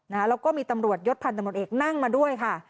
แล้วก็มีตำรวจยพลันตำรวจเอกนั่งมาด้วย